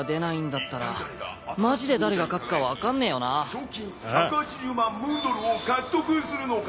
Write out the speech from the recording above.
賞金１８０万ムーンドルを獲得するのか！？